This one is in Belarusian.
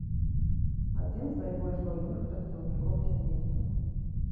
Адзін з найбольш буйных прадстаўнікоў сямейства.